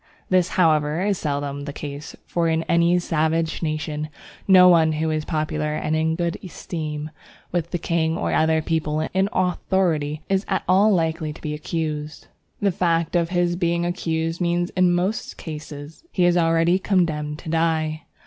This, however, is seldom the case, for in any savage nation no one who is popular and in good esteem with the king or other people in authority is at all likely to be accused. The fact of his being accused means in most cases that he is already condemned to die.